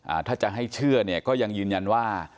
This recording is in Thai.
ถ้าจะให้เชื่อเนี่ยก็ยังยืนยันว่า